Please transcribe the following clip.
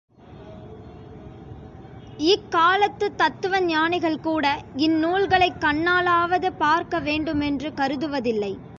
இக் காலத்துத் தத்துவ ஞானிகள் கூட இந் நூல்களைக் கண்ணாலாவது பார்க்க வேண்டுமென்று கருதுவதில்லை.